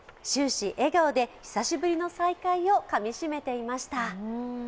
終始笑顔で久しぶりの再会をかみしめていました。